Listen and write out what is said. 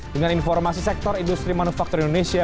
dengan informasi sektor industri manufaktur indonesia